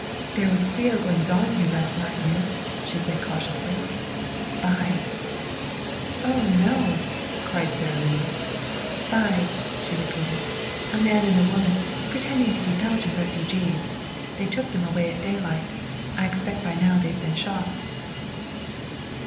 "There was queer goings on here last night, miss," she said cautiously. "Spies!" "Oh, no!" cried Sara Lee. "Spies," she repeated. "A man and a woman, pretending to be Belgian refugees. They took them away at daylight. I expect by now they've been shot."